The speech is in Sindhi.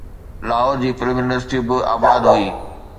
لاهور جي فلم انڊسٽري به آباد هئي.